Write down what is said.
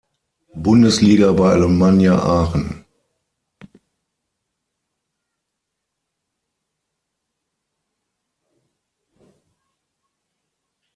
Bundesliga bei Alemannia Aachen.